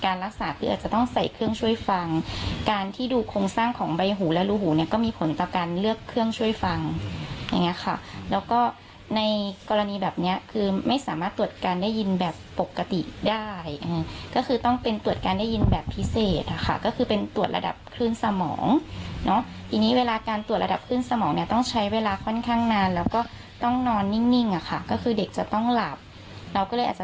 การรักษาคืออาจจะต้องใส่เครื่องช่วยฟังการที่ดูคงสร้างของใบหูและรูหูเนี่ยก็มีผลต่อการเลือกเครื่องช่วยฟังอย่างเงี้ยค่ะแล้วก็ในกรณีแบบเนี้ยคือไม่สามารถตรวจการได้ยินแบบปกติได้อย่างเงี้ยก็คือต้องเป็นตรวจการได้ยินแบบพิเศษอ่ะค่ะก็คือเป็นตรวจระดับคลื่นสมองเนาะทีนี้เวลาการ